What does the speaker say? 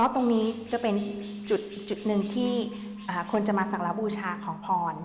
ตรงนี้เป็นจุดที่คนจะมาสังละบุชาของพร